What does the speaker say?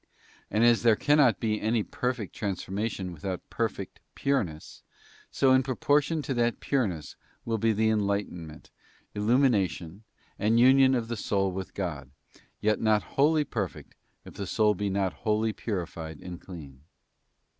And as there cannot be any perfect transformation without perfect pureness, so in proportion to that pureness will be the enlightenment, illu mination,. and union of the soul with God, yet not wholly perfect if the soul be not wholly purified and clean.